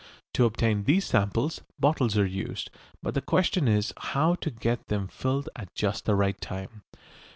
To obtain these samples bottles are used, but the question is how to get them filled at just the right time.